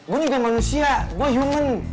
gue juga manusia gue human